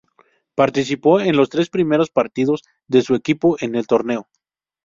Participó en los tres primeros partidos de su equipo en el torneo.